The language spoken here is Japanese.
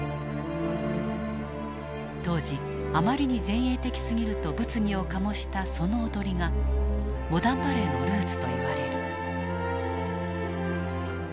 当時あまりに前衛的すぎると物議を醸したその踊りがモダンバレエのルーツといわれる。